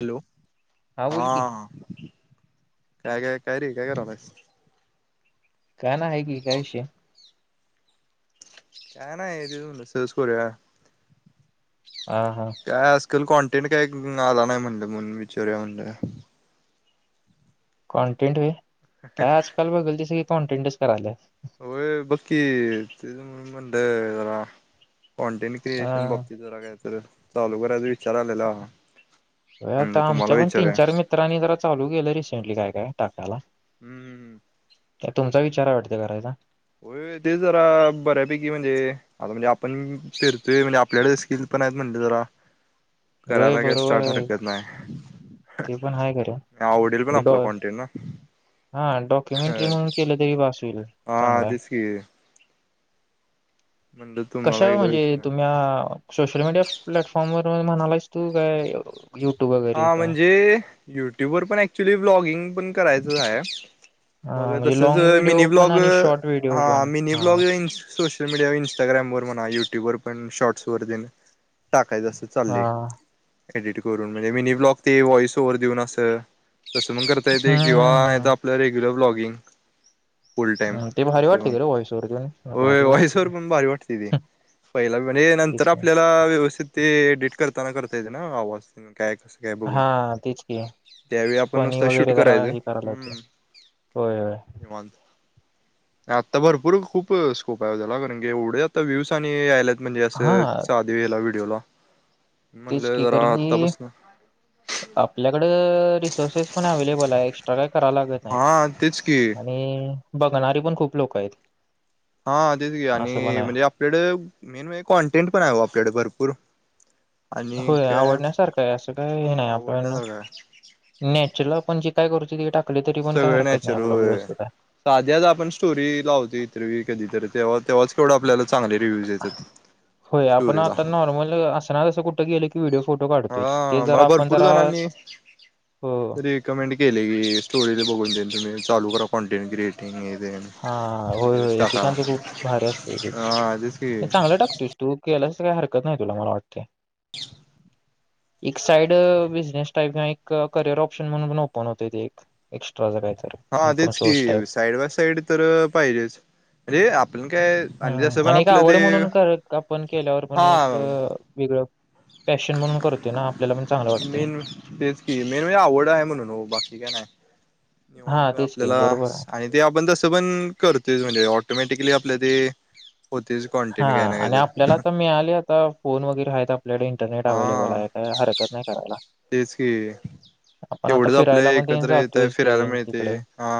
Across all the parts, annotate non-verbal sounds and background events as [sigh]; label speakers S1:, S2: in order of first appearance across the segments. S1: Hello
S2: बोल की
S1: हा काय काय काय र काय कयरा भाई
S2: का ना आहे की कायषय
S1: काय नाही तेच म्हणलं सहज करूया.
S2: ह हा
S1: काय आजकाल कॉन्टेंट काय आला नाही म्हणलं म्हणून विचारू म्हणलं
S2: कॉन्टेंट व काय आजकाल बघल त स कॉन्टेंटच करायला
S1: हो बाकी त म्हणडला कॉन्टेंट
S2: हा
S1: क्रिएशन बाबतीत जरा काय तर चालू करायचा विचार आलेला ह
S2: आता आमच्या पण तीन चार मित्रांनी जरा चालू केेलं रिसेंटली काय काय टाकायला
S1: हम्म
S2: त्या तुमचा विचार वाडत करायचा
S1: होय ते जरा बऱ्यापैकी म्हणजे आता म्हणजे आपण फिरतोय म्हणजे आपल्याकडे स्किल पण आहेत म्हणले जरा
S2: होय
S1: करायला कसत
S2: बरोबर आहे
S1: हरकत नाही
S2: ते पण आहे खरं
S1: आवडेल पण
S2: डॉ
S1: आपला कॉन्टेन न
S2: हा डॉक्युमेंटरी म्हणून केलं तरी बासल
S1: हा तस क तुम्हाला
S2: कशावर
S1: एकदा
S2: म्हणजे
S1: विचारूया
S2: तुम््या सोशल मीडिया प्लॅटफॉर्मवर म्हणालास तू काय? यूट्यूब [unintelligible]
S1: हा म्हणजे युट्यूबवर पण ऍक्च्युली व्लॉगिंग पण करायचंच आहे.
S2: हा
S1: मग
S2: म्हणजे लॉंग
S1: तसतर
S2: व्हिडिओ
S1: मिनी
S2: पण
S1: ब्लॉग
S2: आणि शॉर्ट व्हिडिओ
S1: हा
S2: पण
S1: मिनी
S2: हा
S1: ब्लॉग सोशल मीडिया इंस्टाग्रामवर म्हणा युट्यूब वर पण शॉर्ट्स वर देण टाकायचं असं
S2: हा
S1: चालय. एडिट करून म्हणजे मिनी ब्लॉग ते व्हॉइस ओव्हर देऊन असं तसं मग करता येते किंवा
S2: हम्म हम्म
S1: येत आपलं रेग्युलर ब्लॉगिंग फुल टाइम
S2: हम्म ते भारी
S1: तस
S2: वाटते
S1: पण
S2: का रे व्हॉइस ओव्हर देऊन
S1: हो
S2: भारी वाटते
S1: वॉईसवर पण भारी वाटते ती. पहिला म्हणजे नंतर
S2: तेच ना
S1: आपल्याला व्यवस्थित ते एडिट करताना करता येते ना आवाज काय कसं. काय बघून
S2: हा तेच की
S1: त्यावेळी आपण
S2: फणी
S1: नुसता शूट
S2: वगैरे जरा
S1: करायचं
S2: हे करायला
S1: हम्म
S2: लागते. होय होय
S1: आत्ता भरपूर खूप स्कोप आहे याला कारण की एवढे आता व्ह्यूज आणि यायलेत म्हणजे
S2: हा
S1: असं. दिवीला व्हडिओ ला म्हणले जरा आत्तापासन
S2: आपल्याकड रिसोर्सेस पण अवलेबल आहे. काय करायला लागत नाही
S1: हा तेच की
S2: आणि बघणारी पण खूप लोक आहेत
S1: हा तेच की
S2: असं पण
S1: आणि
S2: आहे
S1: म्हणजे आपल्याड मेन म्हणजे कॉन्टेंट पण आहे ओ आपल्याडे भरपूर आणि
S2: होय
S1: काय
S2: आवडण्यासारखं आहे असं काही हे
S1: हा
S2: नाही आपल्या
S1: आवडण्यासारखं आहे
S2: नॅचरल आपण जे काय करतो ते टाकली तरी पण काय हरकत नाही आपल्या व्यवस्थित आहे.
S1: साध्याच आपण स्टोरी लावतो इतर व कधीतरी तेव्हा तेव्हाच. थोडं आपल्याला चांगले रिव्ह्यू देतात स्टोरीला.
S2: असना असं कुठ गेलं की व्हिडिओ फोटो काढतोयच ते
S1: हा मला
S2: जरा आपण
S1: भरपूर
S2: जरा
S1: र कमेंट केले की स्टोरी ते बघून देईन तुम्ही चालू कॉन्टेंट क्रिएटिंग हे दे
S2: हा होय होय एकेकांचं खूप भारी असत एकच
S1: हा तेच की
S2: चांगलं टाकतोस‌. तू केलास काही हरकत नाही तुला मला वाटते. एक साईड बिझनेस टाईप किंवा एक करिअर ऑप्शन म्हणून ओपन होतय ते एक एक्स्ट्रा च कायतरी
S1: हा तेच की साईड बाय साईड तर पाहिजेच अरे आपण काय आणि जस
S2: हम्म
S1: पण
S2: एक
S1: आपलं
S2: आवड
S1: ते
S2: म्हणून कर आपण केल्यावर पण
S1: हा
S2: एक वेगळं पॅशन म्हणून करतोय ना आपल्याला पण चांगलं वाटतय
S1: मेन तेच की मेन म्हणजे आवड आहे म्हणून बाकी काय नाही
S2: हा
S1: निवांत
S2: तेच की
S1: आपल्याला
S2: बरोबर आहे.
S1: आणि ते आपण तसं पण करतोयच म्हणजे ऑटोमॅटिकली आपल्या ते होतीच
S2: हा
S1: कॉन्टेंट काय ना
S2: आणि
S1: काहीतर
S2: आपल्याला आता मिळाले आता फोन वगैरे आहेत आपल्याकडे इंटरनेट अव्हेलेबल
S1: हा
S2: आहे काय हरकत नाही करायला.
S1: तेच की
S2: आपण आता
S1: एवढंच आपल्या
S2: फिरायला पण तेन
S1: एकत्र येतय
S2: जातोयच ते
S1: फिरायला मिळते
S2: तिकडं
S1: हा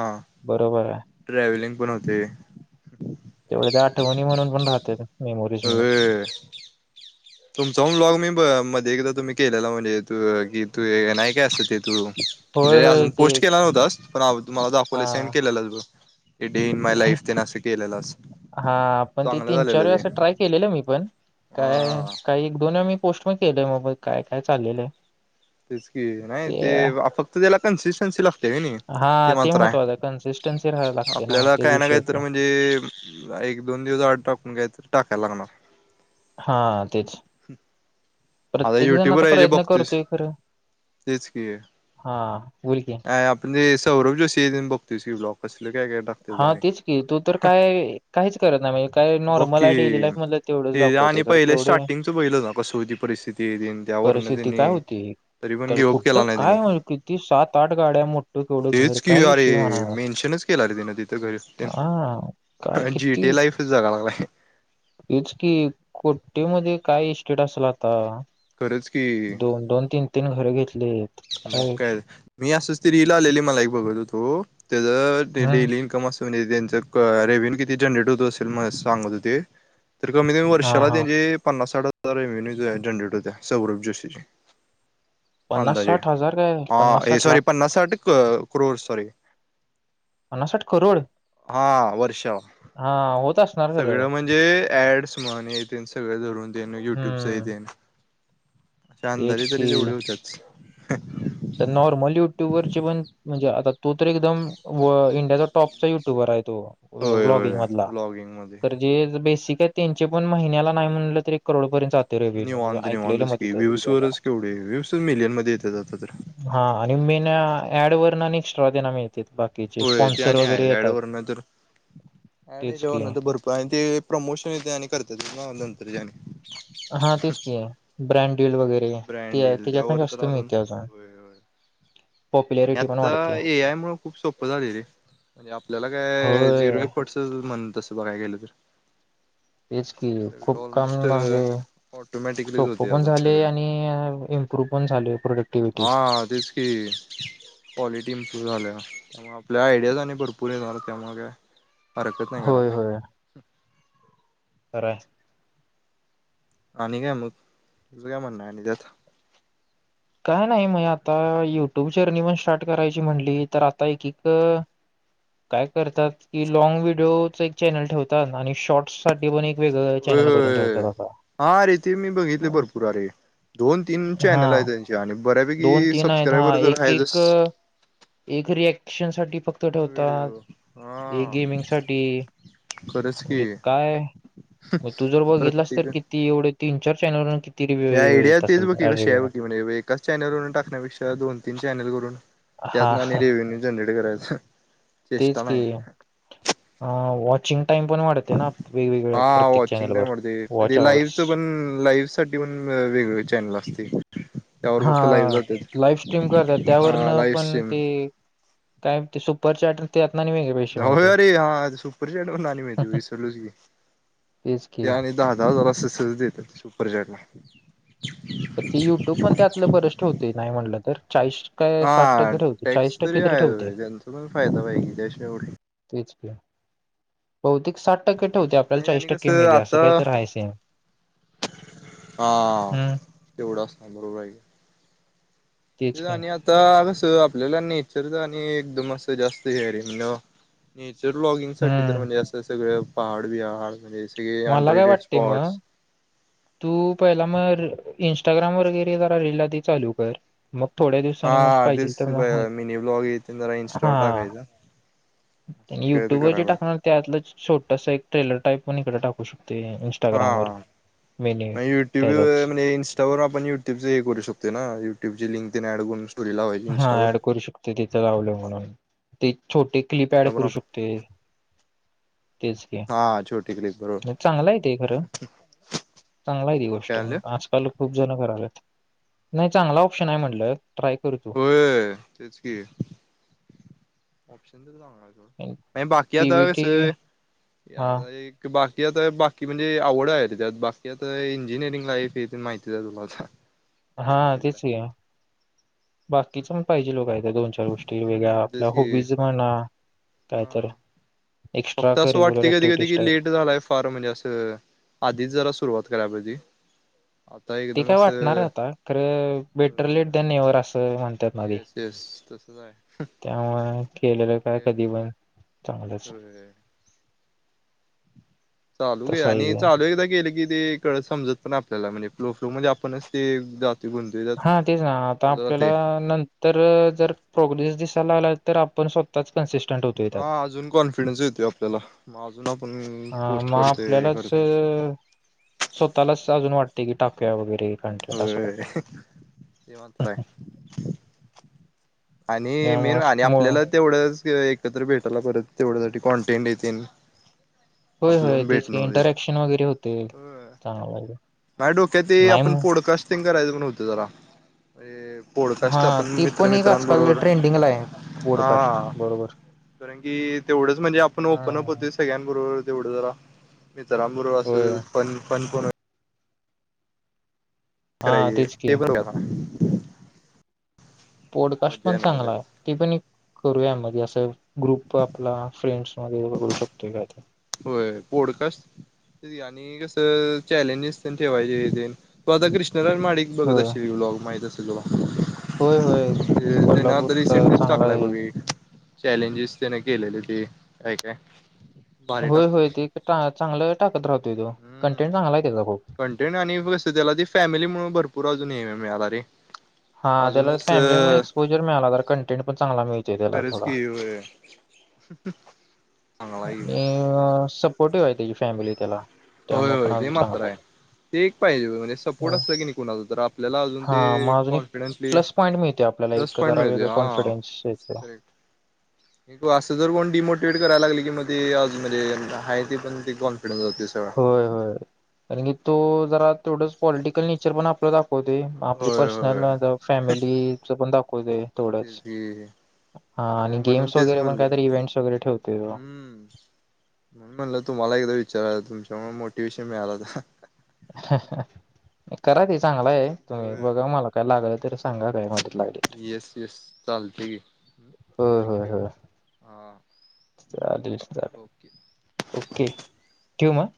S2: बरोबर आहे
S1: ट्रॅव्हलिंग पण होतय
S2: तेवढे ते आठवणी म्हणून पण राहते मेमोरीज म्हणून
S1: हम् [unintelligible] तुमचा ब्लॉग मी मध्ये एकदा तुम्ही केलेला म्हणजे कि तू नाही काय असत ते तू
S2: होय होय
S1: अजून
S2: ते
S1: पोस्ट केला नव्हतास पण मला
S2: हा
S1: दाखवले सेंड केलेलं बग
S2: हा पण ते
S1: चांगलं
S2: तीन चार
S1: झालेलं ते
S2: वेळेस अस ट्राय केलेलं मी पण काय
S1: हा.
S2: काही एक दोन मी पोस्ट पण केलंय मग काय काय चाललेल
S1: तेच कि नाही ते फक्त त्याला कन्सिस्टन्सी लागते
S2: हा
S1: ते मात्र आहे
S2: महत्त्वाचं कन्सिस्टन्सी राहायला लागते
S1: आपल्याला
S2: तेच
S1: काय ना
S2: विषय
S1: काय तर
S2: होतोय
S1: म्हणजे ते एक दोन दिवस आड टाकून घ्याय तर टाकायला लागणार
S2: हा तेच प्रत्येक जण
S1: युट्यूबर
S2: आता
S1: आहे जे
S2: प्रयत्न
S1: बघतोयस
S2: करतोय खरं,
S1: तेच
S2: हा बोलकी
S1: म्हणज सौरभ जोशी ए दिन बघतोस की ब्लॉक असलं काही काही टाकतोय
S2: हा तेच की तू तर काय काहीच करत ना म्हणजे काय
S1: बघ
S2: नॉर्मल आहे डेली
S1: की
S2: लाईफ मधल
S1: ते आणि पहिले स्टार्टिंगच बघितलस ना कशी होती परिस्थिती ते त्यावरन त्यांनी तरी पण
S2: तर
S1: गिव्हअप
S2: कुठ
S1: केला नाही त्याने
S2: काय म्हण किती सात आठ गाड्या मोठ केवढं घर काय विषयी म्हणाला
S1: टेन्शन केला रे तिन तिथं
S2: काय
S1: घरी जीटी लाईफच जागा लागला
S2: तेच कि कोट्टी मध्ये काय इस्टेट असेल आता
S1: खरंच की
S2: दोन दोन तीन तीन घर घेतली
S1: मग काय मी असंच ती रिल आलेली मला एक असंच बघत होतो त्याच ते
S2: हम्म
S1: डेली इन्कम अस तुम् त्यांच रेव्हन्यू किती जनरेट होत असेल मला सांगत ते तर कमी कमी
S2: हा
S1: वर्षाला
S2: हा
S1: त्यांची पन्नास साठ हजार रेव्न्यू जो आहे जनरेट होत्या सौरभ जोशीची
S2: पन्नास साठ हजार काय पन्नास
S1: हा
S2: साठ
S1: सॉरी
S2: लाख
S1: पन्नास साठ करोड सॉरी
S2: पन्नास साठ करोड
S1: हा वर्षाव
S2: हा होत असणार खरं
S1: सगळं म्हणजे ऍड्स म्हण हेतेन सगळं धरून तेन युट्यूबचं
S2: हम्म
S1: तेन अधे
S2: तेच की
S1: तरी तेवढ्या होच्यात [inaudible]
S2: तर नॉर्मल युट्यूब वरचे पण म्हणजे आता तो तर एकदम इंडियाचा टॉपचा युट्युबर आहे तो
S1: होय
S2: व्लॉगिंग
S1: होय
S2: मधला
S1: ब्लॉगिंग मध्ये
S2: ते बेसिकच तेच पण महिन्याला नाही म्हणलं तर करोडपर्यंत जात
S1: निवांत निवांतच की व्युवज वरच केवढे व्यवसच मिलियन मध्ये येत जात तर
S2: हा आणि मेन ऍड वर आणि स्ट्रॉ देरा मिळत बाकीचे
S1: होय ते
S2: स्पॉन्सर
S1: आणि
S2: वगैरे
S1: आहे ऍड
S2: येतात
S1: वरन तर ऍड
S2: तेच कि
S1: याच्यावरन तर भरपूर आणि ते प्रमोशन येत आणि करतात नंतरच्या
S2: हा तेच की ब्रँड वेळ वगैरे ते
S1: ब्रँड येईल
S2: त्याच्यात ना
S1: दवरत रा
S2: जास्त
S1: आणून
S2: मिळते अजून
S1: होयय आणि
S2: पॉप्युलॅरिटी पण
S1: आता
S2: वाढते
S1: ए आय मूळ खूप सोपं झालंय रे म्हणजे आपल्याला काय
S2: होय
S1: झिरो ए पटचं म्हण तसं बघाय केलं तर
S2: तेच की खूप
S1: सगळ
S2: काम
S1: ऑलमोस्ट
S2: म्हणजे
S1: ऑटोमॅटिकलीच
S2: सोपं
S1: होते
S2: पण
S1: आता
S2: झाले
S1: सगळं
S2: आणि इम्प्रूव्ह पण झाल प्रोडक्टिव्हिटी
S1: हा क क्वालिटी इम्प्रूव्ह झाल्या त्या आपल्या आयडियाज आणि भरपूर येणार त्या मग हरकत नाही
S2: होय
S1: करायला
S2: तर
S1: आणि काय मग तुझं काय म्हणण आणि त्यात
S2: काय नाही म आता युट्यूब जर्नी पण स्टार्ट करायची म्हणली तर आता एक एक काय करतात की लॉग व्हिडिओच एक चॅनल ठेवतात आणि शॉर्टस साठी पण एक वेगळं
S1: होय
S2: चॅनल करून
S1: होय
S2: ठेवतात आता
S1: हा अरे ते मी बघितले भरपूर अरे दोन तीन
S2: हा
S1: चॅनल आहे त्यांचे आणि
S2: दोन
S1: बऱ्यापैकी
S2: तीन आहेत हा
S1: सबस्क्रायबर जर
S2: एक
S1: आहे जस
S2: एक एक रिएक्शन साठी फक्त ठेवतात
S1: व्हिडिओ
S2: एक
S1: हा
S2: गेमिंग साठी
S1: खरंच की
S2: म्हणजे काय तू जर बघितलास तर
S1: प्रत्येक
S2: किती एवढे तीन चार चॅनल किती रिव्ह्यू
S1: आयडिया
S2: येत
S1: तेच
S2: असेल
S1: बघकी
S2: ऍड
S1: कशी आहे
S2: रिव्ह्यू
S1: बकी म्हणजे एकाच चॅनेलवरून टाकण्यापेक्षा दोन तीन चॅनेलवरून त्यात
S2: हा
S1: ना आणि रेव्न्यू जनरेट करायचा चेष्टा
S2: तेच की
S1: नाही
S2: वॉचिंग टाइम पण वाढते ना वेगवेगळ्या
S1: हा
S2: प्रत्येक
S1: वॉचिंग
S2: चॅनलवर
S1: टाइम
S2: वॉच अवर्स
S1: लाईव्हच पण लाव साठी पण वेग चॅनल असते त्यावर
S2: हा
S1: फक्त लाईव्ह जातात
S2: लाईफ स्ट्रीम करतात त्यावरन
S1: लाईव्ह
S2: पण
S1: स्ट्रीम
S2: ते काय ते सुपर चार्टर तेत ना नाही वेगळे पैसे
S1: हो
S2: मिळतात
S1: अरे हा सुपर चॅट म्हणून आ मी त विसरलूस की
S2: तेच
S1: ते
S2: की
S1: आणि दहा दहा हजार अस देतात सुपर चॅट ला
S2: तर ते युट्यूब पण त्यातलं बरेच ठेवते नाही म्हटलं तर चाळीस काय साठ
S1: हा
S2: टक्के ठेवते
S1: टॅक्स
S2: चाळीस टक्के
S1: तरी
S2: ठेवते
S1: आहे त्यांचा पण फायदा च आहे त्याशिवाय एवढ
S2: तेच की बहुतेक साठ टक्के ठेवते आपल्याला
S1: आणि
S2: चाळीस
S1: आणि
S2: टक्के
S1: कसं
S2: मिळते असं
S1: आता
S2: काही तर आहेयच
S1: हा
S2: हम्म
S1: तेवढा असता बरोबर आहे
S2: तेच की
S1: आणि आता कसं आपल्याला नेचरच आणि एकदम असं जास्त हे आहे रे म्हणज नेचर ब्लॉगिंग साठी तर
S2: हम्म
S1: म्हणजे असं सगळं पहाड बहाड म्हणजे
S2: मला काय
S1: अडेड
S2: वाटते
S1: स्पॉट्स
S2: मग तू पहिला मग इं्स्टाग्राम वगैरे जरा रीलधी चालू कर मग थोड्या दिवसाांनी मग
S1: हा
S2: पाहिजे
S1: तेच
S2: तर मग
S1: मिनी ब्लॉग येथे जरा
S2: हा
S1: इन्स्टॉल टाकायचा काय ते
S2: युट्यूबवरर जे
S1: करावा
S2: टाकणार त्यातलं छोटस एक ट्रेलर टाईप पण इकडे टाकू शकते इ
S1: हा म युट्युब
S2: त्याचाच
S1: म्हण इस्ट त्यावरून आपण यूट्यूबचे हे करू शको ना युटूब लिंक ऍड करून स्टोरी लावायची
S2: हा
S1: इंस्टावर
S2: ऍड करू शकते तिथं लावलं म्हणून ते छोटे क्लिप ऍड
S1: वरनं पण
S2: करू
S1: आप
S2: शकत ते तेच क
S1: हा छोट कि
S2: चांगला आहे ते खरं चांगला आहे त गोष्ट
S1: काय म्हणलं
S2: आजकाल खूप जण करल्यात नाही चांगला ऑप्शन आहे म्हटलं ट्राय करू
S1: हो तेच की ऑप्शन तर चांगलाय नाही बाकी आता
S2: पीबीटी
S1: कसं
S2: हा
S1: की बाकी आता बाकी म्हणजे आवड आहे त्यात बाकी आता इंजिनिअरिंग लाईफ आहे माहिती आहे तुला
S2: हा
S1: काय अवघड
S2: तेच
S1: आहे
S2: की बाकीच पण पाहिजे लोक आहे दोन चार गोष्टी वेगळ्या
S1: हम्म
S2: आपल्या
S1: तेच की
S2: हॉबीज म्हणा
S1: हा
S2: काय तर एक्स्ट्रा
S1: फक्त असं
S2: करिक्युलर
S1: वाटते कधी कधी
S2: ऍक्टिव्हिटीज
S1: कि
S2: टाईप
S1: लेट झालाय. फार म्हणजे असं आधीच जरा सुरुवात कराय पाहिजे आता एकदम असं
S2: खर बेटर लेट
S1: अ
S2: दन ये असं म्हणत
S1: येस येस तसंच आहे
S2: [unintelligible] त्यामुळे केलेलं काय
S1: ओके
S2: कधी पण चांगलंच
S1: होय चालू बी
S2: तसं आहे
S1: आणि
S2: ते.
S1: चालू एकदा केलं की ते समजत पण आपल्याला म्हणजे फ्लो फ्लो मध्ये आपणच ते जा
S2: हा तेच ना आता आपल्याला नंतर तर जर प्रोग्रेस दिसायला लागला तर आपण स्वतःच कन्सिस्टंट होतो
S1: हा अजून कॉन्फिडन्स येतो आपल्याला मग अजून आपण
S2: हा
S1: पोस्ट
S2: मग
S1: करतो हे
S2: आपल्यालाच
S1: करतो.
S2: अ, स्वतःलाच अजून वाट
S1: होय ते माञ आहे आणि
S2: त्यामुळे
S1: मेन
S2: अस-
S1: आणि
S2: मु-
S1: आपल्याला तेवढंच एकत्र भेटाला परत तेवढ्यासाठी कॉन्टेंट हे तेन
S2: होय होय तेच काही इंटरॅक्शन वगैरे होते चांगलय
S1: नाही डोक्यात ते आपण पोडकास्टिंग करायचं पण होत जरा
S2: हा
S1: पॉडकास्ट आपण
S2: ती पण एक आजकाल
S1: मित्रमित्रांबरोबर
S2: ट्रेंडिंगला आहे
S1: हा
S2: पॉडकास्ट बरोबर
S1: कारण की तेवढंच म्हणजे आपण
S2: हा
S1: ओपन अप होतेस. सगळ्यांन बरोबर तेवढं जरा मित्रांन बरोबर
S2: होय
S1: असं पण पण
S2: हा
S1: करायचं
S2: तेच की
S1: ते पण
S2: पोडकास्ट
S1: मज्जा
S2: पण
S1: येणार
S2: चांगला आहे
S1: त्याला
S2: ते पण करूया मध्ये असं ग्रुप आपला फ्रेंड्स मग करू शकतोय का आता
S1: होय पोडकास्ट आणि कसं चॅलेंजेस ठेवायचे तो आता कृष्णरा महाडिक. बघत
S2: होय
S1: असशली ब्लाँग माहित असेल तुला?
S2: होय होय
S1: ते ना तरी
S2: कोल्हापूरचा
S1: सेंडस
S2: चांगला
S1: टाकलाय
S2: आहे.
S1: बघ चॅलेंजेस तेन केलेले ते काय काय भारी
S2: होय होय
S1: टाकतोय
S2: ते चांगलं टाकत राहतोय तो
S1: हम्म
S2: कंटेंट चांगला आहे त्याचा खूप
S1: कंटेंट आणि मग त्याला ती फॅमिली म्हणून भरपूर अजून ये मिळाला रे
S2: हा त्याला फॅमिलीमुळे
S1: अजूनच
S2: एक्सपोजर मिळाला तर कंटेंट पण चांगला मिळते त्याला
S1: खरंच
S2: थोडा
S1: की होय [inaudible] की
S2: आणि
S1: पण
S2: सपोर्टिव्ह आहे त्याची फॅमिली त्याला त्यामुळे
S1: होय
S2: पण
S1: होय ते
S2: अजून
S1: मात्र आहे.
S2: चांगलाय
S1: ते एक पाहिजे म्हणजे सपोर्ट असलं की नाही कुणाच तर आपल्याला अजून ते
S2: हा मग अजून एक
S1: कॉन्फिडेनसली
S2: प्लस पॉईंट मिळते आपल्याला एक जरा वेगळं कॉन्फिडन्स येते.
S1: करेक्ट. असं जर कोण डिमोटिवेट करायला लागलं कि मग ते म्हणजे आहे ते पण ते कोण
S2: होय होय कारण की तो जरा ते थोडंच पॉलिटिकल नेचर पण आपलं दाखवते आपली
S1: होय होय
S2: पर्सनल फॅमिलीच पण दाखवत आहे थोडंच
S1: ह [inaudible]
S2: हा आणि गेम्स वगैरे पण काहीतरी इवेंट्स वगैरे ठेवतय
S1: हम्म. म्हणलं तुम्हाला एकदा विचारायला तुमच्यामुळे मोटिवे्शन मिळालाता
S2: करा ते चांगला आहे तुम्ही
S1: होय
S2: बघा मला काय लागल तर- सांगा काय मदत लागली तर
S1: येस येस चालते की
S2: होय होय
S1: थँक्यू
S2: होय
S1: [inaudible]
S2: चालेल
S1: ओके.
S2: चालेल ओके ठेव मग